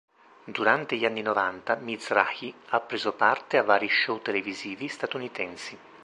Durante gli anni novanta, Mizrahi ha preso parte a vari show televisivi statunitensi.